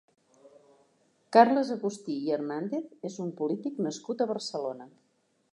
Carles Agustí i Hernàndez és un polític nascut a Barcelona.